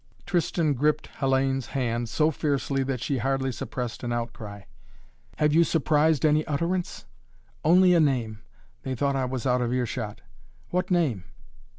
Tristan gripped Hellayne's hand so fiercely that she hardly suppressed an outcry. "Have you surprised any utterance?" "Only a name. They thought I was out of earshot." "What name?"